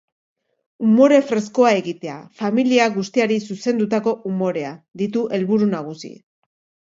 Umore freskoa egitea, familia guztiari zuzendutako umorea, ditu helburu nagusi.